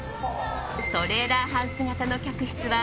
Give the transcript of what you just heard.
トレーラーハウス型の客室は